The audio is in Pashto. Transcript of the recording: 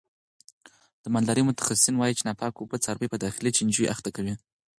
د مالدارۍ متخصصین وایي چې ناپاکه اوبه څاروي په داخلي چنجیو اخته کوي.